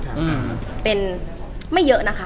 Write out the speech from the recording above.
อืมเป็นไม่เยอะนะคะ